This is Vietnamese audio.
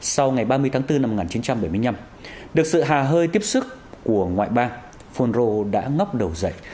sau ngày ba mươi tháng bốn năm một nghìn chín trăm bảy mươi năm được sự hà hơi tiếp sức của ngoại bang rô đã ngóc đầu giày